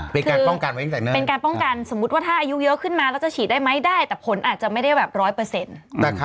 เป็นการป้องกันสมมุติว่าถ้าอายุเยอะขึ้นมาแล้วจะฉีดได้ไหมได้แต่ผลอาจจะไม่ได้แบบร้อยเปอร์เซ็นต์